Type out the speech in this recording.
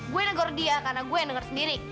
gue negor dia karena gue yang denger sendiri